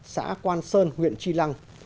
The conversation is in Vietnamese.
xã quan sơn huyện chi lăng